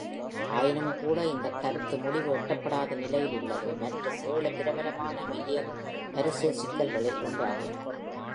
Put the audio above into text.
ஆயினும்கூட, இந்த கருத்து முடிவு எட்டப்படாத நிலையில் உள்ளது மற்றும் ஏழு பிரபலமான மில்லினியம் பரிசு சிக்கல்களில் ஒன்றாகும்.